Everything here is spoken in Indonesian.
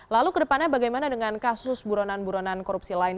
lalu ke depannya bagaimana dengan kasus buronan buronan korupsi lain